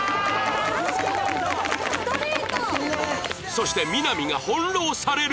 そしてみな実が翻弄される！？